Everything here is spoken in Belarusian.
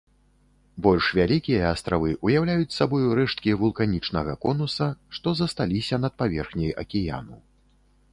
Больш вялікія астравы ўяўляюць сабою рэшткі вулканічнага конуса, што засталіся над паверхняй акіяну.